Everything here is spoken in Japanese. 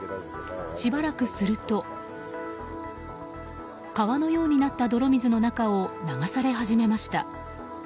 しばらくすると川のようになった泥水の中を流され始めました。